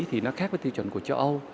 thì nó khác với tiêu chuẩn của châu âu